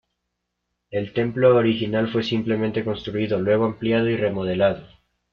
El templo original fue simplemente construido, luego ampliado y remodelado.